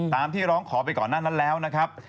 ที่ร้องขอไปก่อนหน้านั้นแล้วนะครับ